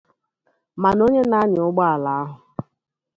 Mana onye na-anyà ụgbọala ahụ